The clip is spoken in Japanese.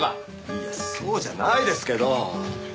いやそうじゃないですけど。